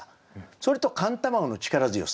それと寒卵の力強さ。